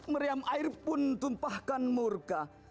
meriam air pun tumpahkan murka